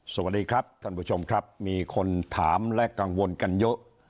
สวัสดีครับท่านผู้ชมครับมีคนถามและกังวลกันเยอะ